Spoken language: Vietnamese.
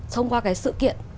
thông qua cái sự kiện